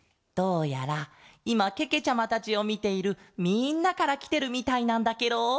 どうやらいまけけちゃまたちをみているみんなからきてるみたいなんだケロ。